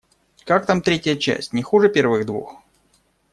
Как там третья часть, не хуже первых двух?